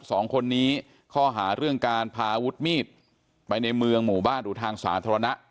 สองคนนี้ข้อหาเรื่องการพาอาวุธมีดไปในเมืองหมู่บ้านหรือทางสาธารณะ